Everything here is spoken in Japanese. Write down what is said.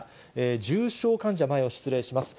重症患者、前を失礼します。